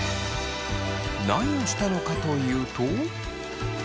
何をしたのかというと。